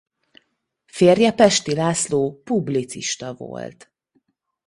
Férje Pesty László publicista volt.